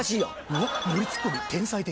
うわっノリツッコミ天才的。